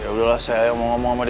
yaudahlah saya mau ngomong sama dia